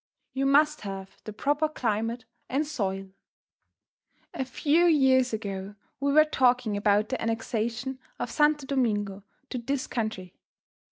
You must have the proper climate and soil. A few years ago we were talking about the annexation of Santo Domingo to this country.